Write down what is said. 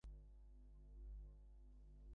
সবাই তোমাকে খুশি রাখতে চায়?